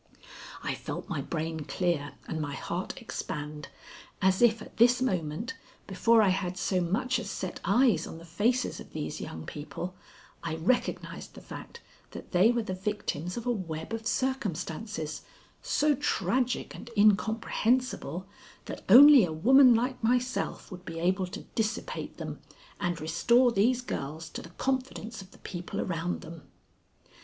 I felt my brain clear and my heart expand, as if at this moment, before I had so much as set eyes on the faces of these young people, I recognized the fact that they were the victims of a web of circumstances so tragic and incomprehensible that only a woman like myself would be able to dissipate them and restore these girls to the confidence of the people around them.